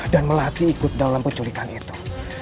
dan melati ikut daulam penculikan itu